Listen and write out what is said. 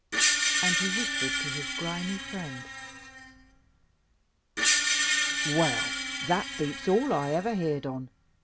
And he whispered to his grimy friend. "Well, that beats all I ever heer'd on.